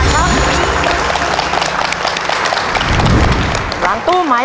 เท่าไหร่